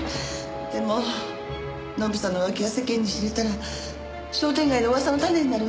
でもノブさんの浮気が世間に知れたら商店街の噂の種になるわ。